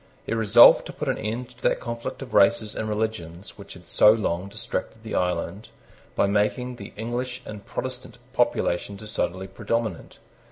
He resolved to put an end to that conflict of races and religions which had so long distracted the island, by making the English and Protestant population decidedly predominant.